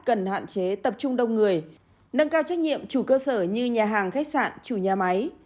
cần hạn chế tập trung đông người nâng cao trách nhiệm chủ cơ sở như nhà hàng khách sạn chủ nhà máy